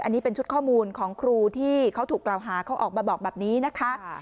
อันนี้เป็นชุดข้อมูลของครูที่เขาถูกกล่าวหาเขาออกมาบอกแบบนี้นะคะ